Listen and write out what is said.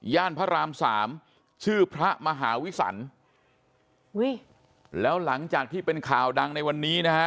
พระรามสามชื่อพระมหาวิสันอุ้ยแล้วหลังจากที่เป็นข่าวดังในวันนี้นะฮะ